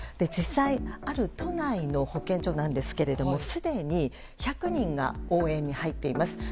実際、ある都内の保健所なんですけどもすでに１００人が応援に入っています。